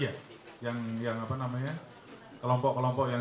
ditangkap dan ditembak mati satu orang